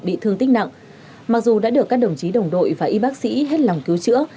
bị thương tích nặng mặc dù đã được các đồng chí đồng đội và y bác sĩ hết lòng cứu chữa